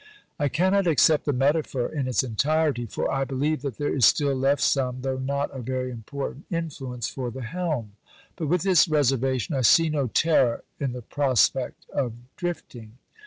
I cannot accept the metaphor in its entirety, for I believe that there is still left some, though not a very important, influence for the helm. But with this reservation, I see no terror in the prospect of 'drifting.'